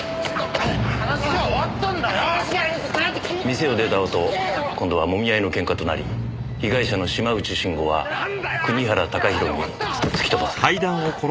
店を出たあと今度はもみ合いのケンカとなり被害者の島内慎吾は国原貴弘に突き飛ばされ。